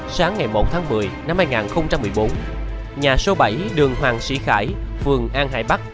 sáng ngày một tháng một mươi năm hai nghìn một mươi bốn nhà số bảy đường hoàng sĩ khải phường an hải bắc